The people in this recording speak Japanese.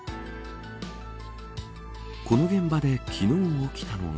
この現場で昨日起きたのが。